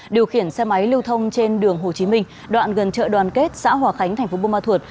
điều khiển xe máy lưu thông trên đường hồ chí minh đoạn gần chợ đoàn kết xã hòa khánh thành phố buôn ma thuột